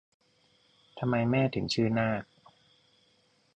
ทำไมแม่ถึงชื่อนาก